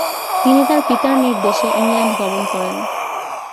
তিনি তার পিতার নির্দেশে ইংল্যান্ড গমন করেন।